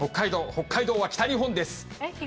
北海道は北日本です。